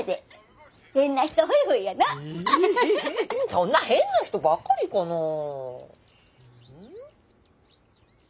そんな変な人ばっかりかなぁ。